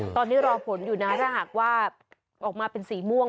ตอนนี้รอผลอยู่นะถ้าหากว่าออกมาเป็นสีม่วง